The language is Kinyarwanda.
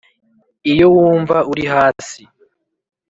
iyo wumva uri hasi,